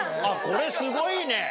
これすごいね。